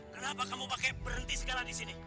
kenapa kamu pakai berhenti segala di sini